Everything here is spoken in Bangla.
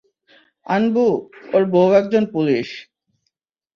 আনবু, ওর বউ একজন পুলিশ?